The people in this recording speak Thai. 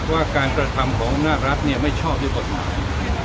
ว่าการกระทำของอำนาจรัฐไม่ชอบด้วยกฎหมาย